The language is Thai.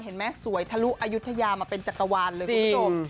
เห็นไหมสวยทะลุอายุทยามาเป็นจักรวาลเลยคุณผู้ชม